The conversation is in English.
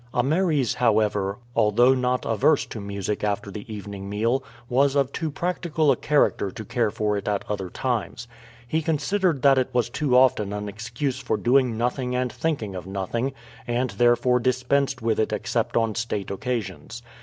Ameres, however, although not averse to music after the evening meal, was of too practical a character to care for it at other times. He considered that it was too often an excuse for doing nothing and thinking of nothing, and therefore dispensed with it except on state occasions.